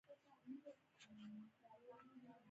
او د کال، د ټوله کال تیاره ماښام دی